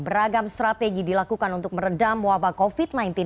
beragam strategi dilakukan untuk meredam wabah covid sembilan belas